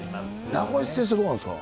名越先生はどうなんですか。